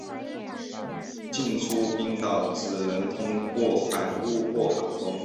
进出冰岛只能通过海路或航空。